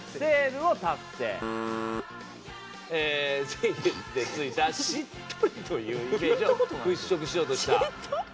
「『ＳＡＹＹＥＳ』でついたしっとりというイメージを払拭しようとした」。